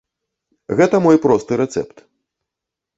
Гэта мой просты рэцэпт!